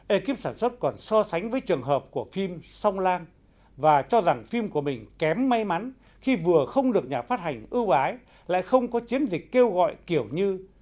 ekip sản xuất còn so sánh với trường hợp của phim song lang và cho rằng phim của mình kém may mắn khi vừa không được nhà phát hành ưu ái lại không có chiến dịch kêu gọi kiểu như